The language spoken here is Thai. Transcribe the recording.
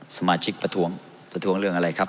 สมาชิกประทวงประทวงเรื่องอะไรครับ